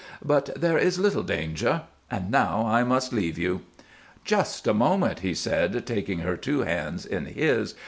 But there is little danger. And now I must leave you." "Just a moment," he said, taking her two hands in his.